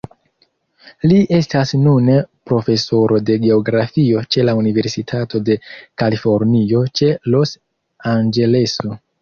Li estas nune Profesoro de Geografio ĉe la Universitato de Kalifornio ĉe Los-Anĝeleso.